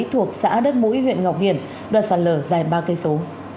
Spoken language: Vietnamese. thuộc xã đất mũi huyện ngọc hiển đoạn sạt lở dài ba cây số